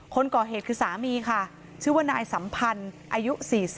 คนก่อเหตุคือสามีค่ะชื่อว่านายสัมพันธ์อายุ๔๐